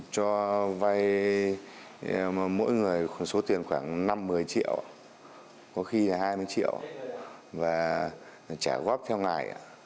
cho vay mỗi người số tiền khoảng năm một mươi triệu có khi là hai mươi triệu và trả góp theo ngài